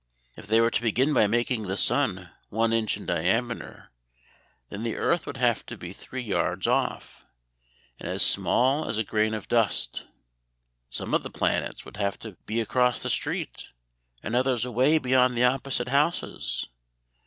If they were to begin by making the sun one inch in diameter, then the earth would have to be three yards off, and as small as a grain of dust; some of the planets would have to be across the street, and others away beyond the opposite houses.